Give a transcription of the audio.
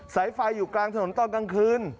สายไฟอยู่กลางถนนตอนกลางคืน